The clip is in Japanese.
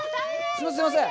すいません。